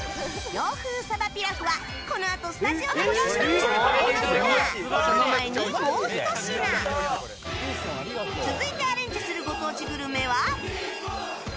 洋風鯖ピラフはこのあとスタジオでも試食してもらいますがその前に、もうひと品！続いてアレンジするご当地グルメは。